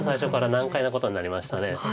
難解なことになりました。